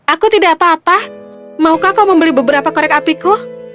aku tidak apa apa maukah kau membeli beberapa korek apiku